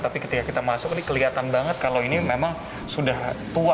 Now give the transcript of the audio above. tapi ketika kita masuk ini kelihatan banget kalau ini memang sudah tua